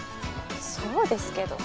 そうですけど。